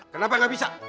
kenapa enggak bisa